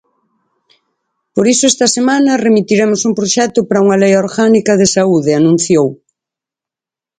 Por iso esta semana remitiremos un proxecto para unha lei orgánica de Saúde, anunciou.